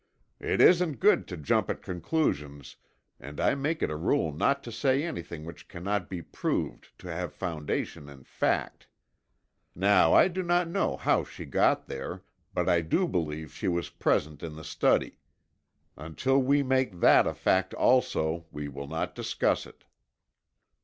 "It isn't good to jump at conclusions and I make it a rule not to say anything which cannot be proved to have foundation in fact. Now I do not know how she got there, but I do believe she was present in the study. Until we make that a fact also, we will not discuss it."